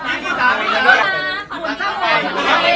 อันนั้นจะเป็นภูมิแบบเมื่อ